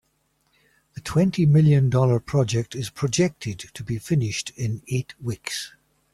The twenty million dollar project is projected to be finished in eight weeks.